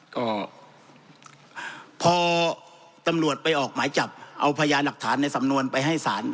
ก็พอตำรวจไปออกหมายจับเอาพยานหลักฐานในสำนวนไปให้ศาล